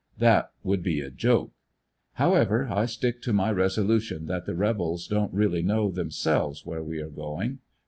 That would be a joke. However, I stick to my resolution that the rebels don't really know themselves where we are going.